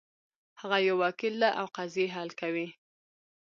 هغه یو وکیل ده او قضیې حل کوي